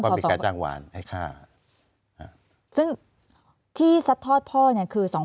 พก็มีการจ้างวันให้ฆ่าข้าซึ่งที่ทอดพ่อเนี่ยคือสอง